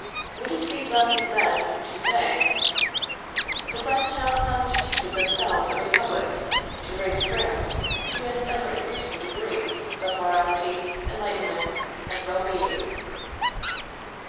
Would it be less exact to say "The French have constituted themselves a Republic, to raise France to an ever increasing degree of morality, enlightenment, and well being."